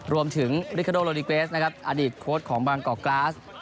รวมถึงริคาโดโรนิเกสอดีตโค้ดของบางกอกกราศ